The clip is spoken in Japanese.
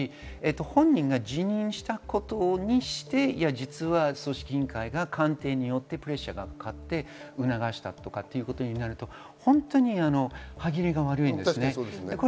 本人が辞任したことにして、実は組織委員会が官邸によってプレッシャーがかかって促したとかいうことになると、歯切れが悪いです。